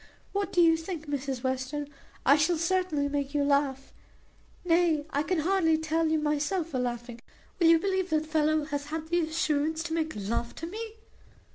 What do you think, Mrs Western I shall certainly make you laugh; nay, I can hardly tell you myself for laughing will you believe that the fellow hath had the assurance to make love to me?